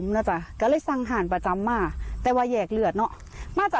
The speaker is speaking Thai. ลาดลงไปเลยจ้า